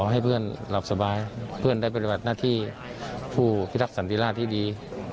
ให้เพื่อนหลับสบายเพื่อนได้ปฏิบัติหน้าที่ผู้ที่รักสันติราชที่ดี